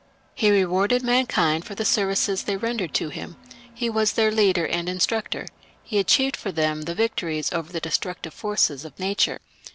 He rewarded mankind for the services they rendered to him; he was their leader and instructor; he achieved for them the victories over the destructive forces of nature.